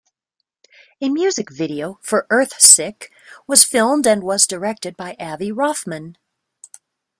A music video for Earthsick was filmed and was directed by Avi Roffman.